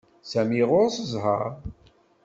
Sami ɣuṛ-s ẓhaṛ.